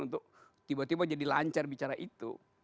untuk tiba tiba jadi lancar bicara itu